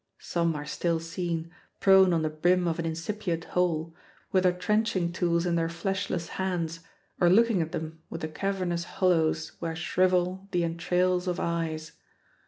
Some are still seen, prone on the brim of an incipient hole, with their trenching tools in their fleshless hands or looking at them with the cavernous hollows where shrivel the entrails of eyes.